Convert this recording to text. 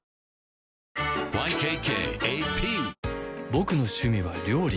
ボクの趣味は料理